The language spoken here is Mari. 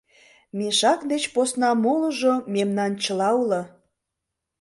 Мешак деч посна молыжо мемнан чыла уло...